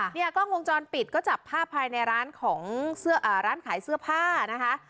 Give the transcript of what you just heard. เนี่ยกล้องวงจรปิดก็จับภาพภายในร้านของร้านขายเสื้อผ้านะคะ